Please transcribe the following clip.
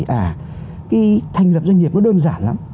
à cái thành lập doanh nghiệp nó đơn giản lắm